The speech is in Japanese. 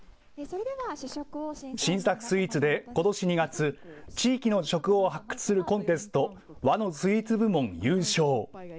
新作スイーツでことし２月、地域の食を発掘するコンテスト、和のスイーツ部門優勝。